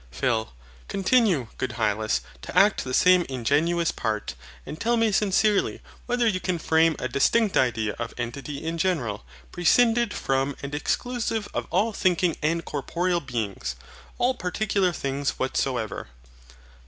PHIL. Continue, good Hylas, to act the same ingenuous part, and tell me sincerely whether you can frame a distinct idea of Entity in general, prescinded from and exclusive of all thinking and corporeal beings, all particular things whatsoever.